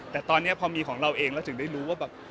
แต่ตอนนี้พอมีของเราเองเราถึงได้รู้ว่าแบบ